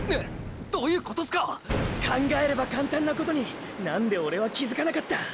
⁉どゆことすか⁉考えれば簡単なことになんでオレは気づかなかった！！